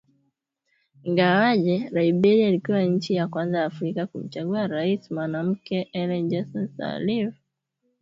Ingawaje Liberia ilikuwa nchi ya kwanza Afrika kumchagua rais mwanamke Ellen Johnson Sirleaf